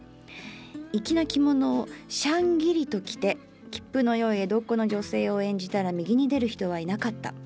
粋な着物をシャンギリと着てきっぷの良い江戸っ子の女性を演じたら右に出る人はいなかった。